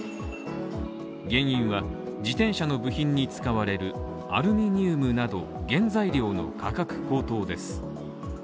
原因は自転車の部品に使われるアルミニウムなど原材料の価格高騰です。